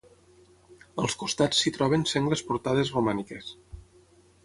Als costats s'hi troben sengles portades romàniques.